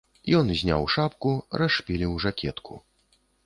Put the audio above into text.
Ён зняў шапку, расшпіліў жакетку.